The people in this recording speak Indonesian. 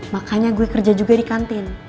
makanya gue kerja juga di kantin